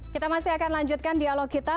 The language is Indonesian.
kita masih akan lanjutkan dialog kita